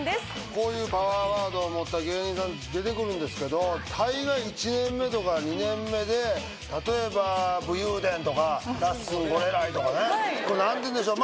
こういうパワーワードを持った芸人さん出てくるんですけど例えば武勇伝とかラッスンゴレライとかねなんて言うんでしょう